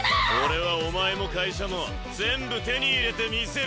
俺はお前も会社も全部手に入れてみせるぞ。